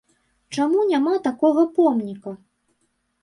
Чаму няма такога помніка?